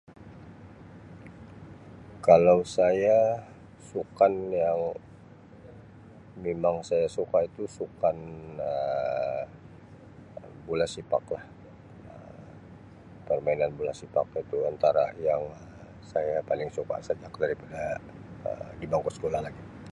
Kalau saya sukan yang memang saya suka itu sukan Um bola sepak lah. Um Permainan bola sepak itu antara yang Um saya paling suka sejak daripada di bangku sekolah lagi.